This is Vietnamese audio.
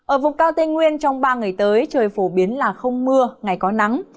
ở vùng cao tây nguyên trong ba ngày tới trời phổ biến là không mưa ngày có nắng